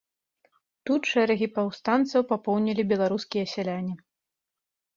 Тут шэрагі паўстанцаў папоўнілі беларускія сяляне.